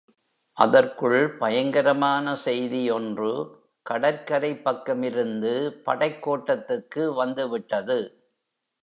அதற்குள் பயங்கரமான செய்தியொன்று கடற்கரைப் பக்கமிருந்து படைக்கோட்டத்துக்கு வந்துவிட்டது.